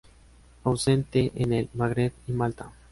Ausente en el Magreb y Malta.